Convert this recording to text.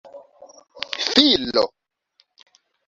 filo